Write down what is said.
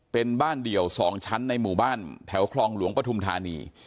เป็นบ้านเดี่ยว๒ชั้นในหมู่บ้านแถวคลองหลวงปฐุมธานี